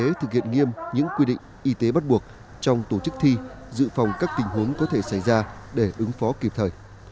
y tế thực hiện nghiêm những quy định y tế bắt buộc trong tổ chức thi dự phòng các tình huống có thể xảy ra để ứng phó kịp thời